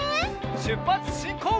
しゅっぱつしんこう！